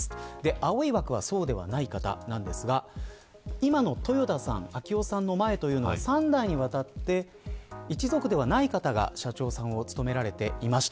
青い枠はそうではない方なんですが今の章男さんの前は３代にわたって一族ではない方が社長を務められていました。